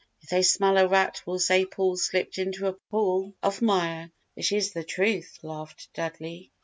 "If they smell a rat we'll say Paul slipped into a pool of mire, which is the truth," laughed Dudley.